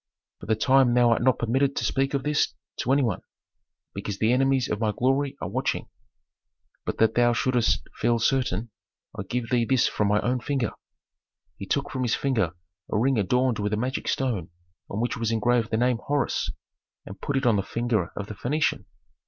"For the time thou art not permitted to speak of this to any one, because the enemies of my glory are watching. But that thou shouldst feel certain, I give thee this from my own finger." He took from his finger a ring adorned with a magic stone on which was engraved the name Horus, and put it on the finger of the Phœnician.